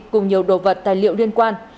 cùng nhiều đồ vật tài liệu liên quan